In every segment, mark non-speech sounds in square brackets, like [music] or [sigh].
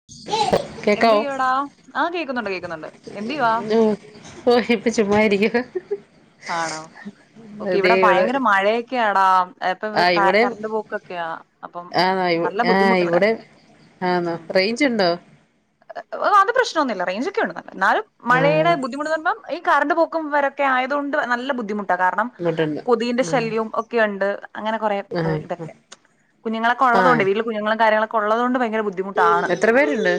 [unintelligible] എന്ത് ചെയ്യുവടാ ആഹ് കേൾക്കുന്നുണ്ട് കേൾക്കുന്നുണ്ട് എന്ത് ചെയ്യുവാ ഓഹ് ഇപ്പ ചുമ്മാ യിരിക്കുന്നു. ആണോ ഓക്കെ ഇവിടെ ഭയങ്കര മഴയൊക്കെയടാ ഇപ്പ ആ [unintelligible] ഇവിടെയും കരണ്ട് പോക്കൊക്കെയാ അപ്പം ആന്നോ നല്ല ആ ബുദ്ധിമുട്ട് ഇവിടെ ആന്നോ ഉം റേഞ്ച് ഇണ്ടോ അത് പ്രശ്നൊന്നുല്ല റേഞ്ച് ഒക്കെ ഉണ്ട് എന്നാലും ആ മഴയുടെ ബുദ്ധിമുട്ട് പറിമ്പൊ ഈ കറണ്ട് പോക്കും വരൊക്കെ ആയതു കൊണ്ട് നല്ല ബുദ്ധിമു കാരണം ഇങ്ങോട്ടുണ്ട് കൊതുകിന്റെ ഉം ശല്യവും ഒക്കെ ഇണ്ട് അങ്ങനെ കൊറെ ആ ഇതൊക്കെ ആ കുഞ്ഞുങ്ങളൊക്കെള്ളത് കൊണ്ട് വീട്ടില് കുഞ്ഞുങ്ങളും കാര്യങ്ങളൊക്കെ ഉള്ളത് കൊണ്ട് ഭയങ്കര ബുദ്ധി എത്ര പേര്ണ്ട്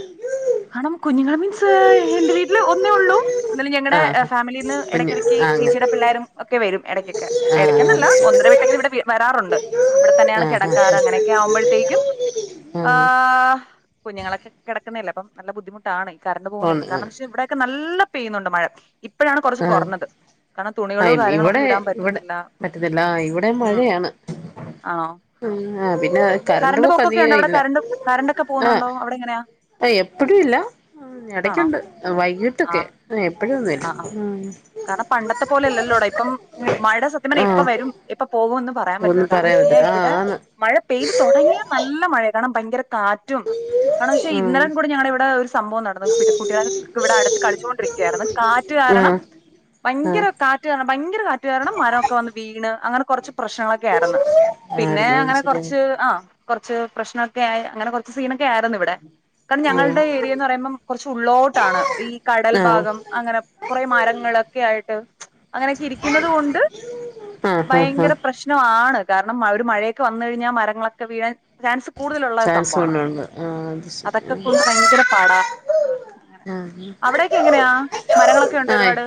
ണം കുഞ്ഞുങ്ങൾ മീൻസ് എന്റെ വീട്ടില് ഒന്നേ ഉള്ളൂ എന്നാലും ഞങ്ങളുടെ ആ ഫാമിലീന്ന് കുഞ്ഞ് എടയ്ക്കെടയ്ക്ക് ആ അങ്ങനെ ചേച്ചിയുടെ പിള്ളേരും ഒക്കെ വരും എടക്ക് ആ എടയ്ക്കെന്നല്ല ഒന്നര വീട്ടെങ്കില് ഇവിടെ വരാറുണ്ട് ഇവിടെ തന്നെയാണ് ആ ആ കെടക്കാറ് അങ്ങനെക്കെ ആകുമ്പോഴത്തേക്കും ആ ആഹ് കുഞ്ഞുങ്ങളൊക്കെ കിടക്കുന്നില്ലെ അപ്പം നല്ല ബുദ്ധിമുട്ടാണ് ഈ കറണ്ട് പോകുന്നൊ പോന്ന് കാരണം ആ ന്തെന്ന് വെച്ചാ ഇവിടൊക്കെ നല്ല പെയ്യുന്നുണ്ട് മഴ ഇപ്പഴാണ് കൊറച്ച് ആ കുറഞ്ഞത് കാരണം ആ തുണികളോ കാര്യങ്ങളോ ഇവിടെ ഒന്നും ഇടാൻ ഇവിടെ പറ്റുന്നില്ല പറ്റുന്നില്ല ആ ഇവിടെ ഉം മഴയാണ് ആഹ് ആ പിന്നെ കാരണം കറണ്ട് പോക്ക് പോക്കൊക്കെ ഉണ്ടോ അധികം അവിടെ ഇല്ല കറണ്ടൊക്കെ പോകുന്നുണ്ടോ അവിടെ എങ്ങനെ ആഹ് എപ്പഴുല്ല ഇടയ്ക്കുണ്ട് വൈകിട്ടൊക്കെ ആഹ് എപ്പഴൊന്നു ആഹ് കാരണം പണ്ടത്തെ പോലെല്ലല്ലോടാ ഇപ്പം മഴ സത്യ പറഞ്ഞ എപ്പൊ ആഹ് വരും എപ്പൊ പോകു പറയാൻ ഒന്നും പറ്റുന്നത് കാരണം പറയാൻ പക്ഷെ പറ്റത്തില്ല ഇവിടെ ആഹ് ആന്ന് മഴ പെയ്തു തുടങ്ങിയ നല്ല മഴയ കാരണം ഭയങ്കര കാറ്റും റ്റും കാരണം വെച്ചാൽ ഇന്നലെ ഉം കൂടെ ഞങ്ങളെ ഇവിടെ ഒരു സംഭവം നടന്നു [unintelligible] ഇവിടെ അടുത്ത് കളിച്ചോണ്ടിരിക്കയിരുന്നു കാറ്റ് കാരണം ആഹ് ആഹ് ഭയങ്കര കാറ്റുകാരണം ഭയങ്കര കാറ്റുകാരണം മരമൊക്കെ വന്ന് വീണ് അങ്ങനെ കുറച്ച് പ്രശ്നങ്ങളൊക്കയിര്ന്നു പിന്നെ ആയിരുന്നു അത് അങ്ങനെ ശരി കൊറച്ച് ആഹ് കൊറച്ച് പ്രശ്നമൊക്കെ ആയി അങ്ങനെ കൊറച്ച് സീനൊക്കെ ആയിരുന്നു ഇവിടെ കാരണം ഉം ഞങ്ങൾടെ ഏരിയാന്ന് പറയുമ്പം കുറച്ച് ഉള്ളോട്ടാണ് ഈ കടൽ ആഹ് ഭാഗം അങ്ങനെ കൊറേ മരങ്ങളൊക്കെ ആയിട്ട് അങ്ങനൊക്കെ ഇരിക്കുന്ന്നത് കൊണ്ട് ആഹ് ആഹ് ആഹ് ഭയങ്കര പ്രശ്ന വാണ് കാരണം ഒരു മഴയൊക്കെ വന്ന് കഴിഞ്ഞാൽ മരങ്ങളൊക്കെ വീഴൻ ചാൻസ് കൂടുതലുള്ള ചാൻസ് സംഭവണ് വണ്ണുണ്ട് ആ അത് അതൊക്കെ ശരി കൊണ്ട് ഭയങ്കര പടാ അഹ് മരങ്ങളൊക്കെ ഉണ്ട് ആഹ് ഒരുപാട്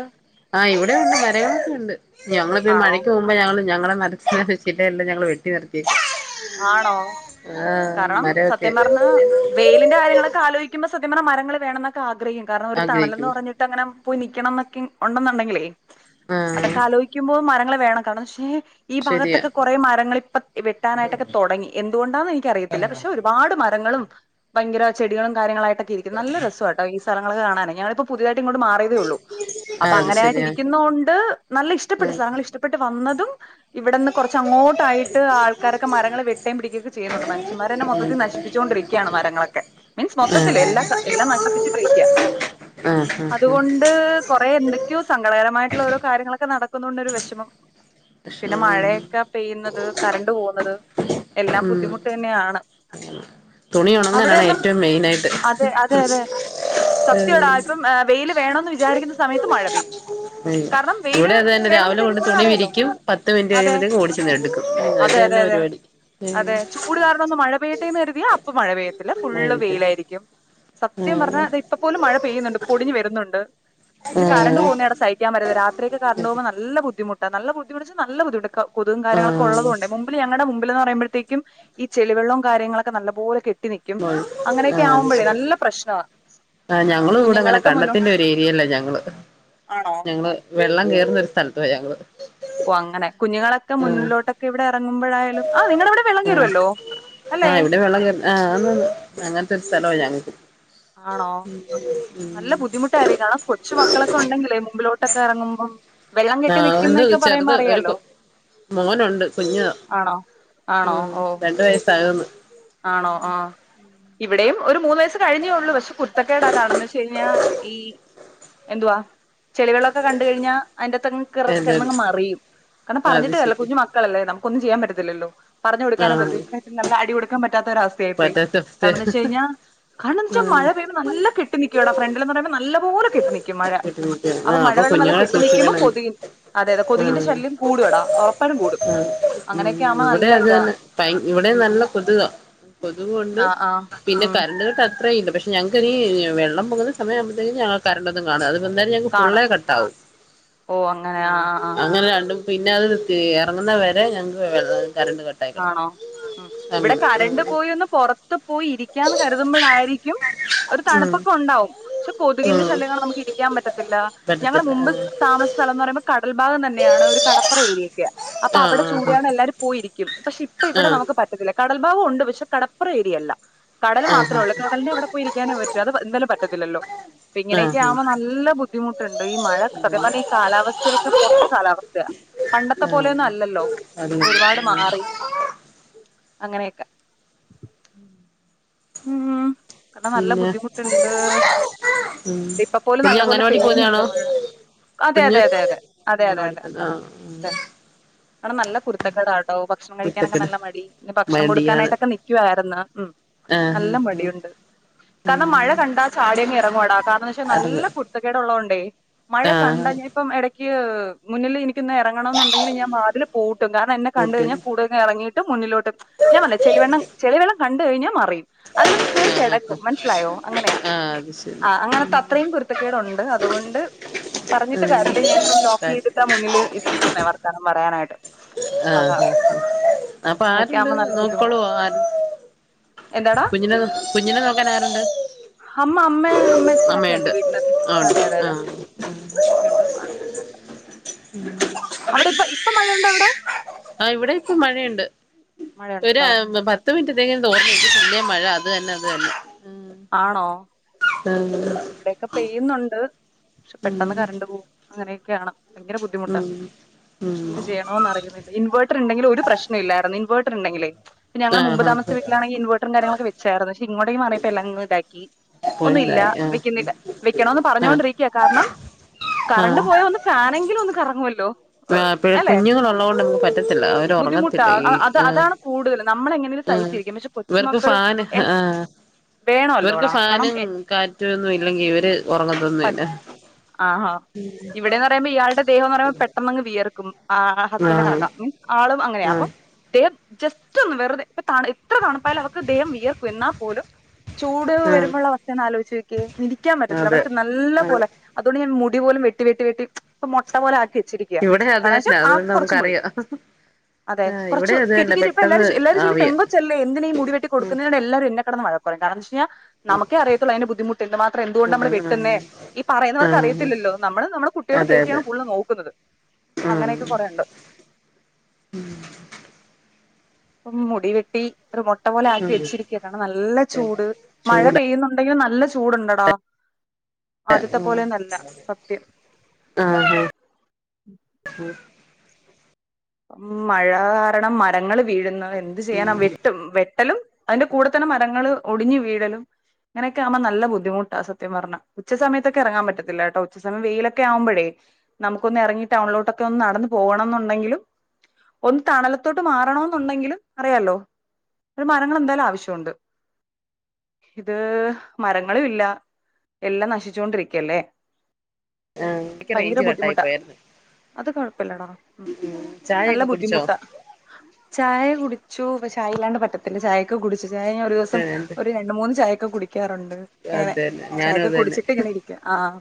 ആഹ് ഇവിടെ ഉണ്ട് മരങ്ങളൊക്കെ ഉണ്ട് ഞാൻ പറഞ്ഞ് ആണോ മഴക്ക് ക്കുമ്പം ഞങ്ങളെ നി ചിലെല്ലാം ഞങ്ങൾ വെട്ടി നിർത്തി ആണോ കാരണം മരമൊക്കെ സത്യം പറഞ്ഞ വെയിലിന്റെ കാര്യങ്ങളൊക്കെ ആലോയിക്കുമ്പോ സത്ത്യം പറഞ്ഞ മരങ്ങള് വേണന്നൊക്കെ ആഗ്രഹം കാരണം ഒരു തണല് എന്ന് ആഗ്രഹിക്കും പറഞ്ഞി ട്ടങ്ങനെ പോയി നിക്കണന്നൊക്കെ ഉണ്ടെന്നുണ്ടെങ്കിലേ ആ അതൊക്കെ ആലോ കുമ്പോ മരങ്ങള് വേണം കാരണം പക്ഷെ ഈ ശരിയാ ഭാഗത്തൊക്കെ കൊറെ മരങ്ങള് ഇപ്പൊ വെട്ടാനായിട്ടൊക്കെ തൊടങ്ങി എന്തുകൊണ്ടാന്ന് എനിക്ക അറിയത്തില്ല പക്ഷെ ഒരുപാട് മരങ്ങളും ഭയങ്കര ചെടികളും കാര്യങ്ങളായി ട്ടക്കെരിക്ക നല്ല രസം കേട്ടോ സ്ഥലങ്ങള് കാണാന് ഞാനിപ്പോ പുതിയതായിട്ട ഇങ്ങോ മാറിയേ ഉള്ളൂ അപ്പൊ ആ അത് അങ്ങനെയിട്ട് ശരിയാ ഇരിക്കുന്നോണ്ട് നല്ല ഇഷ്ടപ്പെട്ടു ആ സ്ഥലങ്ങൾ ഇഷ്ടപ്പെട്ട് വന്നതും ഇവിടെന്ന് കുറച്ച് അങ്ങോട്ടായിട്ട് ആൾക്കാരൊക്കെ മരങ്ങള് വെട്ടയും പിടിക്കൊക്കെ ചെയുന്നുണ്ട് മുഷ്യന്മാരന്നെ മൊത്തിൽ നശിപ്പുകൊണ്ടിരിക്കാണ് ഉം മരങ്ങളൊക്കെ മീൻസ് ആഹ് മൊത്തത്തില് എല്ലാ ക എല്ലാം നശിപ്പിച്ചിട്ടിരിക്ക്യ ആഹ് ആഹ് ആഹ് ണ്ട് കൊറെ എന്തെക്ക്യോ സങ്കടകരമായിട്ടുള്ള ഓരോ കാര്യങ്ങളൊക്കെ നടക്കുന്നോണ്ട് ഒരു വെഷമം പക്ഷേ പിന്നെ മഴയൊക്കെ പെയ്യ്ന്നത് കറണ്ട് പോവുന്നത് എല്ലാം ഉം ബുദ്ധിമുട്ടെന്നെയാണ് തുണി ഒണങ്ങാനാണ് ഏറ്റവും മെയിനായിട്ട് പ്രശ് സത്യോടാ ഇപ്പം ഏ വെയില് വേണോന്ന് വിചാരിക്കുന്ന സമയത്ത് മഴ പെയ്യും കാരണം [unintelligible] വെയില് ഇവിടിം അത് തന്നെ വേണോന്ന് രാവിലെ വിചാരിക്കും കൊണ്ട് തുണി നമ്മൾക്കറിയാലോ വിരിക്കും പത്ത് മിനിറ്റ് അതെ കഴിയുമ്പോഴത്തേക്കും ഓടിച്ചെന്ന് എട്ക്കും അത് അതെ അതെ തന്നെ അതെ പരിപാടി അതെ ചൂട് കാരണം ഒന്ന് മഴ പെയ്യട്ടെന്ന് കരുതിയാ അപ്പൊ മഴ പെയ്യത്തില്ല ഫുള്ള് വെയിലായിരിക്കും സത്യം പറഞ്ഞാ ആഹ് ഇതാ ഇപ്പ പോലും മഴ പെയ്യ്ന്ന്ണ്ട് പൊടിഞ്ഞ് വര്ന്ന്ണ്ട് പക്ഷെ കറണ്ട് ആഹ് പോവുന്നെട് സഹി ക്കാൻ പറ്റാത്തെ രാത്രിയൊക്കെ കറണ്ട് പോവ്മ്പോ നല്ല ബുദ്ധിമുട്ടാ നല്ല ബുദ്ധിമുട്ട്ച്ചാ നല്ല ബുദ്ധിമുട്ട് ക കൊത്കും കാര്യങ്ങളൊക്കെ ആഹ് ഒള്ളത് കൊണ്ടേ മു മ്പില് ഞങ്ങളെ മുമ്പില്ന്ന് പറയ്മ്പത്തേക്കും ഈ ചെളി വെള്ളും കാര്യങ്ങളൊക്കെ നല്ല പോലെ കെ ട്ടി നിക്കും അങ്ങനെയൊക്കെ ആഹ് ആവുമ്പഴേ നല്ല പ്രശ്നാ ആഹ് ഞങ്ങലും ഇവിടെ അങ്ങനെ കണ്ടത്തിന്റെ ഒരു ഏരിയേലാ ഞങ്ങള് ആണോ ഞങ്ങള് വെള്ളം കേറ്ന്നൊര് സ്ഥലത്താ ഞങ്ങള് ഓഹ് അങ്ങനെ കുഞ്ഞുങ്ങളൊക്കെ ആഹ് മുന്നിലൊട്ടൊക്കെ ഇവിടെ എറങ്ങ്മ്പോഴായാലും ആഹ് നിങ്ങളവിടെ ആഹ് ആഹ് ഇവിടെ വെള്ളം കേറ് ആന്നാന്ന് അങ്ങൻത്തൊര് സ്ഥലൊ ഞങ്ങക്ക് ആണോ ഉം ഉം നല്ല ബുദ്ധിമുട്ടായിരിക്കും കാരണം കൊച്ച് മക്കളൊക്കെ ഉണ്ടെങ്കിലേ മുമ്പിലോട്ടൊക്കെ എറങ്ങ്മ്പം വെള്ളം കെട്ടി ആഹ് ഉണ്ട് നിക്ക്ന്നൊക്കെ പറയുമ്പോ ചെറുത് ഒരു കു അറിയാലോ മോനുണ്ട് കുഞ്ഞാ ആണോ ആണോ ആഹ് ഓ രണ്ട് വയസ്സാവ്ന്ന് ആണോ ആഹ് ഇവിടെയും ഒര് മൂന്ന് വയസ് കഴിഞ്ഞേ ള്ളൂ പക്ഷെ കുര്ത്തക്കെടാ കാണന്ന് വെച്ച് കഴിഞ്ഞാ ഈ എന്തുവാ ചെളിവെള്ളോക്കെ കണ്ട് കഴിഞ്ഞാ അതിന്റെകത്തങ്ങ് കെറ് എന്തേന്ന് കെടന്നങ്ങ് മറിയും കാരണം അത് പറഞ്ഞിട്ട് കാര്യല്ല ശരി കുഞ്ഞു മക്കളല്ലേ നമുക്കൊന്നും ചെയ്യാൻ പറ്റത്തില്ലല്ലോ പറഞ്ഞ് കൊട്ക്കാനു പറ്റും ആഹ് ഈ പ്രായത്തിൽ നല്ല അടി കൊടുക്കാൻ പറ്റാത്തൊരവസ്ഥയായി പോയി പറ്റാത്ത അവസ്ഥയാ കാരണംന്ന് വെച്ച് കഴിഞ്ഞാ [unintelligible] ആഹ് നല്ല കെട്ടി നിക്കാടാ ഫ്രണ്ടില്ന്ന് പറയ്മ്പോ നല്ലപോലെ കെട്ടി നി ക്കും മഴ ബുദ്ധിമുട്ടിയാ അപ്പൊ ആഹ് മഴവെള്ളം നല്ല കുഞ്ഞുങ്ങളെ കെട്ടി നിക്ക്മ്പോ സൂക്ഷിക്കണം കൊത് അതെ അതെ കൊതുകിന്റെ ആഹ് ശല്യം കൂടും എടാ ഒറപ്പായിട്ടും കൂടും അങ്ങനെയൊക്കെ ആവ്മ്പോ നല്ല ഇതാ [unintelligible] ഇവടേം ഉം നല്ല കൊത്കാ കൊത്കും ഉണ്ട് ആഹ് ആഹ് പിന്നെ ഉം കരണ്ട് കട്ട് അത്രേയും ഇല്ല പഷ് ഞങ്ങക്ക് ഇനി വെള്ളം പൊങ്ങുന്ന സമയാവ്മ്പത്തേക്കും ഞങ്ങളെ കരണ്ട് കാണും [unintelligible] ഞങ്ങക്ക് ഫുള്ളെ കാണാം കട്ടാവും ആഹ് അങ്ങനെ രണ്ടും പിന്നെ അത് എറങ്ങ്ന്ന വരെ ഞങ്ങക്ക് വെള്ളം കറണ്ട് ക ആണോ ഉം ഇവടെ കരണ്ട് പോയി ഒന്ന് പൊറത്ത് പോയി ഇരിക്കാന്ന് കര്തുമ്പോഴായിരിക്കും ഒര് ഉം തണ്പ്പൊക്കെ ഉണ്ടാവും പക്ഷെ ഉം കൊതുകിന്റെ ഉം ശല്യം കാരണം നമക്ക് ഇരി ക്കാൻ പറ്റത്തില്ല ഞങ്ങള് പറ്റത്തില്ല മുമ്പ് താമസ സ്ഥലംന്ന് പറയ്മ്പോ കടൽഭാഗം തന്നെയാണ് ഒര് കടപ്പുറ ഏര്യേ യ അപ്പൊ അവിടെ ആഹ് ചൂടിയാണ് എല്ലാരും പോയിരിക്കും പക്ഷെ ഇപ്പ ഇവിടെ ആഹ് നമക്ക് പ റ്റത്തില്ല കടൽ ഭാഗം ഉണ്ട് പക്ഷെ കടപ്പുറം ഏരിയല്ല കടല് ആഹ് മാത്രേ ആഹ് ഒള്ളൂ കടലിന്റെവിടെ പോയിരിക്കാന് പറ്റോ അത് എന്തായാലും പറ്റത്തിലല്ലോ ഇപ്പ ഇങ്ങനെയൊക്കെ ആഹ് ആഹ് ആവുമ്പം നല്ല ബുദ്ധിമുട്ട്ണ്ട് ഈ മഴ സത്യം പറഞ്ഞ ഈ കാലാവസ്ഥയൊക്കെ പൊട്ട കാലാവസ്ഥേ പണ്ടത്തെ ആഹ് പോലെയൊന്നും ആഹ് അല്ലല്ലോ ഇപ്പൊ അതുകൊള്ളാം ഒരുപാട് ആഹ് മാറി അങ്ങനെയൊക്കെ ഉം കാരണം നല്ല പിന്നെ ബുദ്ധിമുട്ട്ണ്ട് ഉം ഇപ്പ പോലും കുഞ്ഞ് നല്ല പോലെ അംഗനവാടി പെയ്യുന്നുണ്ട് പോവുന്നയാണോ മഴ അതെ കുഞ്ഞ് അതെ അതെ അതെ അതെ അതെ അംഗനവാടി അതെ ആ അതെ അവിടെ നല്ല കുരുത്തക്കാടാട്ടോ ഭക്ഷണം കഴിക്കാനൊക്കെ കുരുത്തക്കേട് നല്ല മടി പിന്നെ ഭക്ഷണം മടിയാണ് കൊടുക്കാനായിട്ടൊക്കെ നൽക്കുയിരുന്നു ഉം ആഹ് നല്ല ആഹ് മടിയുണ്ട് കാരണം മഴ കണ്ടാ ചാടിയൊങ് ഇറങ്ങുവാടാ കാരണംന്ന് വെച്ചാൽ നല്ല അടങ്ങ് കു ക്ക ഉള്ളതോണ്ടേ മഴ ആഹ് കണ്ടാ ഞ ഇപ്പം ഇടയ്ക്ക് മുന്നിൽ എനിക്കൊന്ന് ഇറങ്ങണ എന്നുണ്ടെങ്കിൽ ഞ അതില് പൂട്ടും കാരണം എന്നെ കണ്ട കുട്ടികൾ കഴിഞ്ഞാൽ കൂടുത ഇറങ്ങിട്ട് മുന്നിലോട്ടും ഞാൻ പറല്ല ചളിവെണം ചെളിവെള്ള കണ്ട കഴിഞ്ഞാൽ മറിയും അതിലങ് കേറി ആഹ് ക്കിടക്കും ആഹ് മനസ്സിലായോ അങ്ങനെയാ ആഹ് അത് ശരി ആ അങ്ങനത്തെ അത്രയും കുരുത്തക്കേടുണ്ട് അതുകൊണ്ട് പറഞ്ഞിട്ട് കാര്യമില്ല ഞാനിപ്പം ലോക്ക ചെയ് ഇ മുന്നിൽ ഇരിക്കുന്ന വർത്താനം പറയാനായിട്ട് അതാ ആഹ് അങ്ങനൊക്കെ ആവുമ്പോ നല്ല ബുദ്ധിമുട്ടാ ആ [unintelligible] എന്താടാ കുഞ്ഞിനെ കുഞ്ഞിനെ നോക്കാൻ ആരുണ്ട് അമ്മ അമ്മയെ ക്ഷനൊക്കെ ഇണ്ട് അമ്മയുണ്ട് വീട്ടില് ആ ഉണ്ട് അതെ അതെ ആ അതെ ഇതൊക്കെയുണ്ട്. അവിടെ ഇപ്പോ ഇപ്പൊ മഴയുണ്ടോ അവടെ? ആഹ് ഇവിടെ ഇപ്പൊ മഴയുണ്ട് ഒരു മഴയുണ്ടല്ലേ പ പത്ത് മിനറ്റത്തെങ്കിലും തോർന്ന് പിന്നേം മഴ അത് തന്നെ അത് തന്നെ. ആണോ? ഉം. ഇവിടെയൊക്കെ പെയ്യുന്നുണ്ട് പക്ഷെ പെട്ടെന്ന് ഉം കറണ്ട് പോവും അങ്ങനെയൊക്കെയാണ്. ഭയങ്കര ബുദ്ധിമുട്ടാ ഉം ഉം എന്ത് ചെയ്യണമെന്ന് അറിയുന്നി ഇൻവേട്റ് ഇണ്ടെങ്കി ഒരു പ്രശ്ന ഇല്ലാരുന്നു ഇൻവെർട്ടർ ഇണ്ടെങ്കിലേഇപ്പോ ഞങ്ങള് മുമ്പ് ആഹ് താമസിച്ച ആഹ് വിട്ടിലാണെങ്കി ഇൻവെർട്ടറും കാര്യങ്ങളൊെ ചേർന്ന് ക്ഷെ ഇങ്ങോടക്ക് മാറിയെപ്പോ എല്ലാംങ് ഇതാക്കി. ഒന്നും ഇല്ല പോയിതായി ആഹ്. വെക്കുന്നില്ല വെക്കണോന്ന് ആഹ് പറഞ്ഞണ്ടിരിക്ക കാരണം കറണ്ട് ആഹ് പോയ ഒന്ന് ഫാനെങ്കിലും ഒന്ന് കറങ്യോല്ലോ. ആഹ് എപ്പോഴും കുഞ്ഞുങ്ങള്ള്ളോണ്ട് ക്ക് പറ്റത്തില്ല അവര് ഒറങ്ങത്തില്ല ഈ ആഹ്. കൂടുതല് നമ്മള ആഹ് ഇവർക്ക് ഫാന് ആഹ് ഇവർക്ക് വേണല്ലോടാ കാരണം ഫാനും എ കാ റ്റൊന്നുല്ലങ്കി ഇവര് ഒറങ്ങ പറ്റ ആഹ് ഇവിടെ പറയുമ്പോ ഇയാളുടെ ദേഹംന്ന് പെട്ടെന്നങ്ങ് വിയർക്കും. ആഹ് ഹസ്ബൻണ്ടും ആഹ് കണക്കാ മീൻസ് ആളും അങ്ങനെയ ആഹ് അപ്പം. ദേഹം ജസ്റ്റന്ന് വെറുതെ ഇപ്പ എത്ര തണുപ്പായാലും അവക്ക് ദേഹം വിയർക്കും എന്നാ പോലും. ചൂട് ആഹ് വരുമ്പോള്ള അവസ്ഥന്ന് ആലോയ്ച്ചോക്യെ ഇരിക്കാൻ പറ്റത്തില്ല അതെ അവൾക്ക് നല്ല അതെ പോലെ. അതൊണ്ട് ഞാൻ മുടി പോലും വെട്ടി വെട്ടി വെട്ടി പ്പൊ മൊട്ട പോലെ ആക്കി വെച്ചിരി ഇവിടെ അത് ക്ക ന്ന് വച്ച തന്നെ ആകെ അതുകൊണ്ട് കൊറച് മുടി. നമുക്കറിയാം അതെ ആഹ് ഇവിടെ കൊറച്ച് അത് കേറ്റി തന്നെ കേറ്റി പ്പ എല്ലാരും പെട്ടെന്ന് ചോ എല്ലാരും ചോയ്ക്കും ആവിയ പെങ്കച്ചല്ലേ എന്തിന ഈ മുടി വെട്ടി ഉം കൊടുക്കുന്നെന്ന് എല്ലാരും എന്ന വരും വഴക്ക് പറയും കാ വശ്യ നമുക്കെ അറിയത്തൊള്ളൂ അയിന്റെ ബുദ്ധിമുട്ടെന്ത്മാത്രം എന്തുകൊണ്ട്മ്മള് വെട്ട്ന്നേ. ഈ പറയുന്നവർക്ക് ആഹ് അറിയത്തില്ലല്ലോ നമ്മള് നമ്മളെ കുട്ടികളെ അതെ അതെ സേഫ്റ്റിയാണ് ഫുള്ള് നോക്കുന്നത്. ആഹ്. കണ്ടു. ഉം. ഇപ്പം മുടി വെട്ടി. ഒരു മൊട്ട പോലെ ആക്കി ആഹ് വെച്ചിരിക്കാണ് കാരണം നല്ല ചൂട് മഴ ചൂട് പെയ്യുന്നുണ്ടെങ്കിലും നല്ല ചു ചൂട്ണ്ടടാ ആദ്യത്തെ പോലെയൊന്നല്ല സത്യം ആഹ് ആഹ്, [inaudible] ഹ്മ്മ് മഴ കാരണം മരങ്ങള് വീഴുന്നു എന്ത് ചെയ്യാനാ വെട്ടും വെ ട്ടലും അയിന്റെ കൂടെത്തന്നെ മരങ്ങള് ഒടിഞ്ഞ് വീഴലും അങ്ങനൊക്കെ ആവുമ്പോ നല്ല ബുദ്ധിമുട്ട സത്യം പറഞ്ഞ ഉച്ചസമയത്തൊക്കെ എറങ്ങാൻപറ്റത്തില്ല കേട്ടോ ഉച്ചസമയം വെയിലൊക്കെ ആവുമ്പഴേ നമുക്കൊന്നെറങ്ങി ടൗണിലോട്ടൊക്കെ ഒന്ന് നടന്ന് പോണംന്നുണ്ടെങ്കിലും ഒന്ന് തണലത്തോട്ട് മാറണോന്നുണ്ടെങ്കിലും അറിയാലോ ഒര് മരങ്ങളെന്തായാലും ആവശ്യമുണ്ട്. ഇത് മരങ്ങളും ഇല്ല എല്ലാം നശിച്ചോണ്ടിരിക്കല്ലേ ആഹ് എനിക്ക് ഭയങ്കര റേഞ്ച് കട്ടായി ബുദ്ധിമുട്ടാ പോയായിരുന്നു അത് കൊഴപ്പല്ലടാ ഹ്മ്മ് നല്ല ചായയൊക്കെ കുടിച്ചോ ബുദ്ധിമുട്ടാ, ചായ കുടിച്ചു പക്ഷെ ചായല്ലാണ്ട് പറ്റ ത്തില്ല ചായൊക്കെ കുടിചു, ചായ ഞാൻ ഒര് ദിവസം എന്ത് ഒര് രണ്ട് മൂന്ന് ചായക്കെ കുടിക്കാറുണ്ട് എങ്ങനെ അതന്നെ ഞാനും ചായൊക്കെ അത് തന്നെ കുടിച്ചിട്ട് ഇങ്ങനെ ഇരിക്ക ആഹ്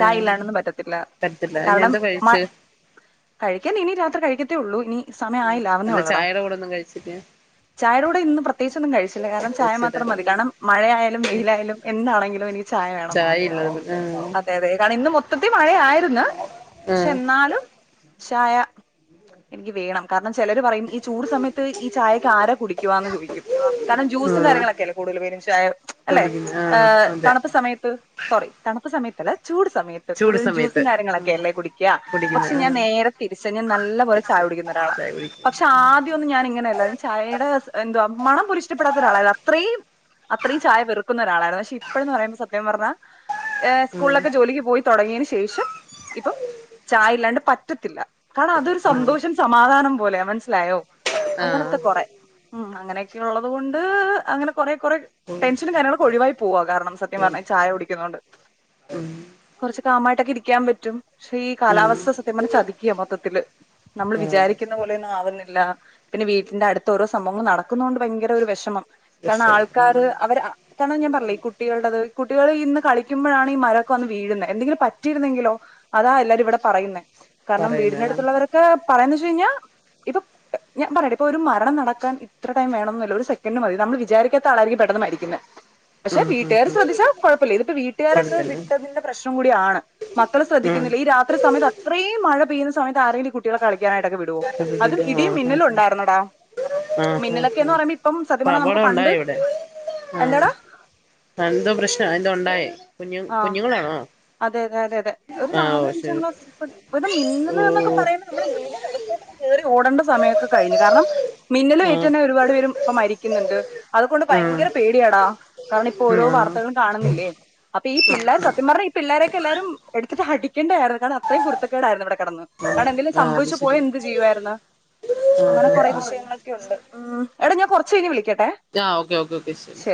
ചായ ഇല്ലാണ്ടൊന്നും പറ്റത്തില്ല. പറ്റത്തില്ല കാരണം അയിനെന്താ മ കഴ്ച്ചേ കഴിക്കാൻ ഇനി രാത്രി കഴിക്കത്തേ ഒള്ളൂ ഇനി സമയം ല്ലാ, ആയില്ല ആവുന്നേ അല്ല ഉള്ളടാ ചായയുടെ കൂടൊന്നും കഴ്ച്ചില്ല ചായയുടെ കൂടെ ഇന്നും പ്രത്യേകിച്ചൊന്നും കഴിച്ചില്ല കാരണം ചായ കഴിച്ചില്ല മാത്രം മതി കാരണം മഴയാലും വെയിലായാലും എന്താണെങ്കിലും എനിക്ക് ചായ വേണം ചായയില്ലായിരുന്നു അതെ അതെ അതാണ് ഇന്ന് മു മൊത്തത്തി മഴയായിര്ന്ന് ക്ഷെ ആഹ് എന്നാലും ചായ എനിക്ക് വേണം കാരണം ചെലര് പറയും ഈ ചൂട് സമയത്ത് ഈ ചായൊക്കെ ആരാ കുടിക്കുവാന്ന് ചോയിക്കും കാരണം ആഹ് ജ്യൂസും ആഹ് കാര്യങ്ങളൊക്കെ അല്ലേ കൂടുതൽ പേരും ചായ അല്ലേ കുടിക്കുന്നു ആഹ് ഏഹ് അതെ തണുത്ത സമയത്ത് സോറി തണുത്ത സമയത്തല്ല ചൂട് സമയ ത്ത് ചൂട് കൂടുതലും ജ്യൂസും സമയത്ത് ആഹ് കാര്യങ്ങളൊക്കെയല്ലേ കുടിക്കാ കുടിക്കുന്നു പക്ഷെ ഞാൻ ആഹ് നേര തിരിച് ഞാൻ നല്ല പോലെ ചായ കുടിക്കുന്നൊരാളാ, ചായ പക്ഷെ കുടിക്കുന്നു ആദ്യം ഒന്നും ഞാൻ ഇങ്ങനെല്ലാ ചായയുടെ എന്തുവാ മണം പോലും ഇഷ്ടപ്പെടാത്ത ഒരാളാ അത്രേം അത്രേം ചായ വെറുക്കുന്ന ഒരാളായിരുന്നു പക്ഷെ ഇപ്പഴ്ന്ന് പറയുമ്പോൾ സത്യം പറഞ്ഞാ ഏഹ് ആഹ് സ്കൂളിലൊക്കെ ജോലിക്ക് പോയി തൊടങ്ങിയന് ശേഷം ഇപ്പം ചായ ഇല്ലാണ്ട് പറ്റത്തില്ല. കാരണം അതൊരു ആഹ് സന്തോഷം സമാധാനം പോലെയാ മനസ്സിലായോ അങ്ങനത്തെ ആഹ് കൊറെ ഹ്മ്മ് അങ്ങനെയൊക്കെ ഉള്ളത് കൊണ്ട് അങ്ങനെ കൊറെ കൊറെ ടെൻഷനും കാര്യങ്ങളൊക്കെ ഒഴിവായി പോവാ കാരണം സത്യം പറഞ്ഞാ ചായ കുടിക്കുന്നോണ്ട് ഉം കൊറച്ച് കാമായിട്ടക്കെ ഇരിക്കാൻ പറ്റും ക്ഷെ ഈ ഉം കാലാവസ്ഥ സത്യം പറഞ്ഞ ചതിക്കാ മൊത്തത്തില് നമ്മള് ആഹ് വിചാരിക്കുന്ന പോലെയൊന്നും ആവുന്നില്ല പിന്നെ വീട്ടിന്റെ അടുത്ത ഓരോ സംഭവങ്ങള് നടക്കുന്നോണ്ട് ഭയങ്കര ഒര് വെഷമം കാരണം പ്രശ്നം ആൾക്കാര് ഉം അവര് കാരണം ഞാൻ പറിഞ്ഞില്ലേ ഈ കു ട്ടികളുടത് കുട്ടികൾ ഇന്ന് കളിക്കുമ്പഴാണ് ഈ മരൊക്കെ വന്ന് വീഴുന്നേ എന്തെങ്കിലും പറ്റിരുന്നെങ്കിലോ അതാ എല്ലാവരും ഇവടെ പറയുന്നേ കാരണം വീടന്റെ പറയുന്നത് അടുത്തുള്ളവരൊക്കെ പറയുന്നേ വെച്ച് കഴിഞ്ഞാ ഇപ്പം ഞാൻ പറയാട്ട ഇപ്പൊ ഒരു മരണം നടക്കാൻ ഇത്ര ടൈം വെണൊന്നില്ല ഒരു സെക്കന്റ് മതി നമ്മള് വിചാക്കാത്ത ആളായിരിക്കും പെട്ടെന്ന് മരിക്കുന്നേ പക്ഷെ ഉം ഉം വീട്ടുകാര് ഉം ശ്രദ്ധിച്ചാ കൊഴപ്പല്ല ഇതിപ്പ വീട്ടുകാരങ്ങ് കൊടുത്തന്നെ വിട്ടതിന്റെ പ്രശ്നം കൂടിയാണ് മക്കള് ഉം ശ്രദ്ധിക്കുന്നില്ല ഈ രാത്രി സമയത്ത് അത്രേം മഴ പെയ്യുന്ന സമയത്ത് ആരെങ്കിലും ഈ കുട്ടികളെ കളിക്കാനായിട്ടൊക്കെ വി ടോ, അതും ഇട്ടിട്ട് ഇടിം ആഹ് ആഹ് മിന്നലും ആഹ് ഉണ്ടായിരുന്നടാ ആഹ് മിന്നലൊക്കെന്ന് ആഹ് പറയുമ്പോ ഇപ്പം സത്യം അപ്പൊ പറഞ്ഞാ നമുക്ക് അപകടം പണ്ട് ഉണ്ടായി ഇവിടെ എന്താടാ [unintelligible] പ്രശ്നാ എന്തോ ഇണ്ടായേ കുഞ്ഞു ആ കുഞ്ഞുങ്ങളാണോ അതെ, അതെ, അതെ, അതെ ഒരു ആഹ് നാലു ഓ ശരി അഞ്ചണ്ണം ഒര് ഓ മിന്നല്ന്നൊക്കെ പറയ്മ്പ നമ്മടെ വീടിനകത്തേക്ക് കയറി ഓടേണ്ട സമയൊക്കെ കഴിഞ്ഞു കാരണം മിന്നലേറ്റ് ആഹ് തന്നെ ഒരുപാട് പേരും ഇപ്പ മരിക്കുന്നുണ്ട് അതുകൊണ്ട് ആഹ് ഭയങ്കര പേടിയാടാ. കാര്ണം ഇപ്പൊ ഓരോ ആഹ് വാർത്തകളും കാണ്ന്നില്ലേ. അപ്പൊ ഈ പിള്ളേർ സത്യം പർഞാ ഈ പിള്ളാരൊക്കെ എല്ലാരും എടുത്ത്ട്ട് അടിക്കണ്ടായിരുന്നു കാര്ണം അത്രയും കുര്ത്തക്കേടായിരുന്നു ഇവടേ കേടന്ന്. കാര്ണം എന്തേലും ആഹ് അത് സംഭവിച്ചു പോയ ശരി എന്ത് ചെയ്യുായിര്ന്ന് അങ്ങനെ ആഹ് കൊറെ ആഹ് വിഷയങ്ങളൊക്കെ ഉണ്ട്. ഉം എട ഞാൻ കൊർച്ചയ്ഞ് വിളിക്കട്ടെ. ആഹ് ഓക്കെ ഓക്കെ ഓക്കെ ശരി.